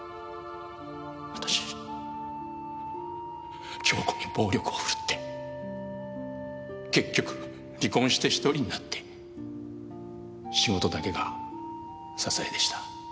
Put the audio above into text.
私恭子に暴力をふるって結局離婚して１人になって仕事だけが支えでした。